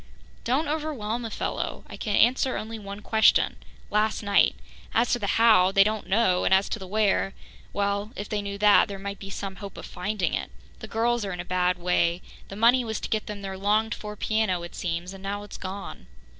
"Don't overwhelm a fellow. I can answer only one question last night. As to the 'how,' they don't know, and as to the 'where' well, if they knew that, there might be some hope of finding it. The girls are in a bad way. The money was to get them their longed for piano, it seems, and now it's gone."